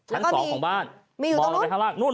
แล้วก็มีอยู่ตรงรุ่นมีอยู่ตรงรุ่นมีอยู่ตรงรุ่น